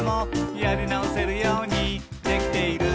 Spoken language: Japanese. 「やりなおせるようにできている」